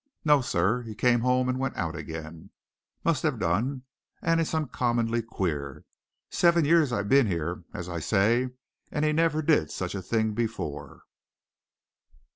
No, sir! He came home, and went out again must have done. And it's uncommonly queer. Seven years I've been here, as I say, and he never did such a thing before."